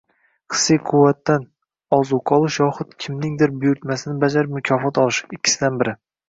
hissiy quvvatdan ozuqa olish yoxud kimningdir buyurtmasini bajarib mukofot olish — ikkisidan biri.